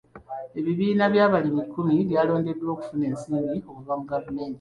Ebibiina by'abalimi kkumi byalondeddwa okufuna ensimbi okuva mu gavumenti.